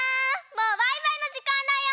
もうバイバイのじかんだよ！